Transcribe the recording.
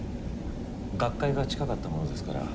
学会が近かったものですから。